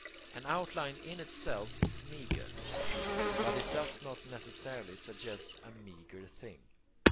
An outline in itself is meagre, truly, but it does not necessarily suggest a meagre thing.